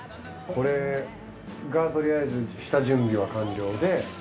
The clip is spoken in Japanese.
これがとりあえず下準備は完了で。